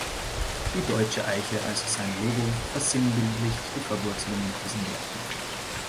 Die deutsche Eiche, als sein Logo, versinnbildlicht die Verwurzelung mit diesen Werten.